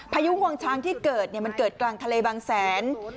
พายุงวงช้างที่เกิดมันเกิดกลางทะเลบางแสน